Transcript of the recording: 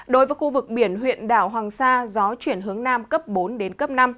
đối với khu vực biển huyện đảo hoàng sa gió chuyển hướng nam cấp bốn đến cấp năm